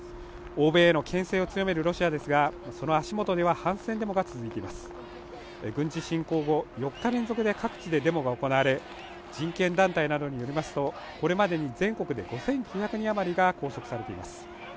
欧米のけん制を強めるロシアですがその足元には反戦デモが続いています軍事侵攻後４日連続で各地でデモが行われ人権団体などによりますとこれまでに全国で５９００人余りが拘束されています